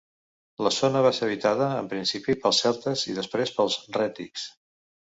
La zona va ser habitada en principi pels celtes i després pels rètics.